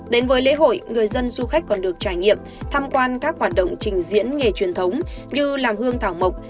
đến với lễ hội người dân du khách còn được trải nghiệm tham quan các hoạt động trình diễn nghề truyền thống như làm hương thảo mộc